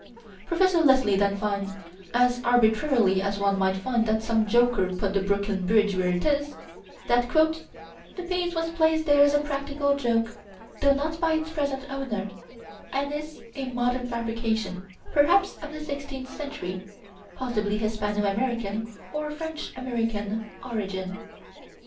Prof. Leslie then finds, as arbitrarily as one might find that some joker put the Brooklyn Bridge where it is, that "the piece was placed there as a practical joke, though not by its present owner; and is a modern fabrication, perhaps of the sixteenth century, possibly Hispano American or French American origin."